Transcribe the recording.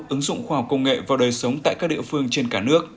ứng dụng khoa học công nghệ vào đời sống tại các địa phương trên cả nước